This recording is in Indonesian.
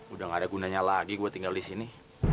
udah gak ada gunanya lagi gue tinggal di sini